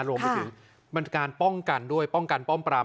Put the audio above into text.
รวมไปถึงบรรทการป้องกันด้วยป้องกันป้อมปรับ